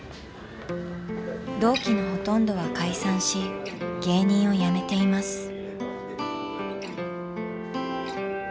同期のほとんどは解散し芸人をやめています。